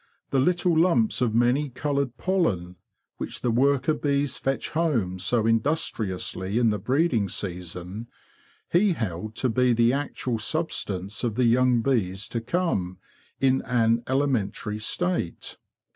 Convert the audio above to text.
The little lumps of many coloured pollen, which the worker bees fetch home so industriously in the breeding season, he held to be the actual substance of the young bees to come, in an elementary state.